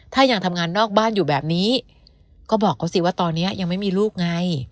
ถ้ายังทำงานนอกบ้านอยู่แบบนี้ก็บอกเขาสิว่าตอนนี้ยังไม่มีลูกไง